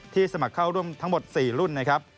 สมัครเข้าร่วมทั้งหมด๔รุ่นนะครับ